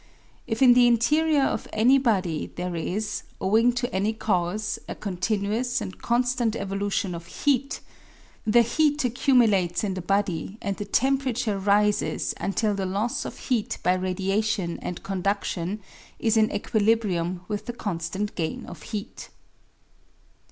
If in the interior of any body there is, owing to any cause a con tinuous and constant evolution of heat, the heat accumu lates in the body and the temperature rises until the loss of heat by radiation and conduction is in equilibrium with the constant gain of heat.